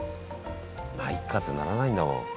まあいっかってならないんだもん。